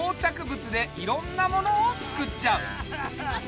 ぶつでいろんなものをつくっちゃう。